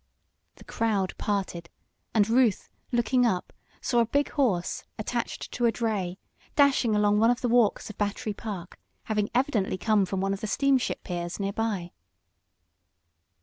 The crowd parted, and Ruth, looking up, saw a big horse, attached to a dray, dashing along one of the walks of Battery Park, having evidently come from one of the steamship piers nearby.